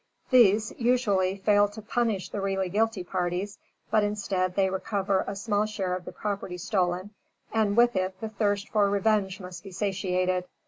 These, usually, fail to punish the really guilty parties, but instead, they recover a small share of the property stolen, and with it the thirst for revenge must be satiated.